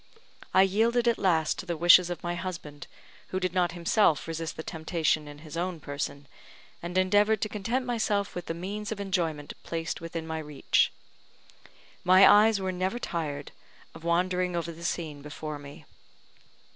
I yielded at last to the wishes of my husband, who did not himself resist the temptation in his own person, and endeavored to content myself with the means of enjoyment placed within my reach. My eyes were never tired of wandering over the scene before me.